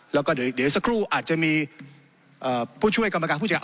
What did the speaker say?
แล้วก็เดี๋ยวสักครู่อาจจะมีผู้ช่วยกรรมการผู้จัดการ